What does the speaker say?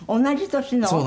同じ年の？